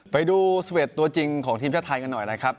ไปดู๑๑ตัวจริงของทีมชาติไทยกันหน่อยนะครับ